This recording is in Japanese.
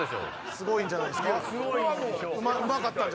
すごいんじゃないっすか？